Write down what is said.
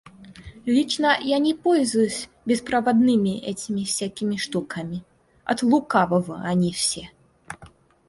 Лично я не пользуюсь беспроводными этими всякими штуками. От лукавого они все.